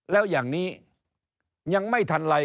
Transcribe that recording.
แล้วอย่างนี้ยังไม่ทันไร